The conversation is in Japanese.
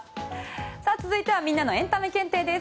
さあ続いてみんなのエンタメ検定です。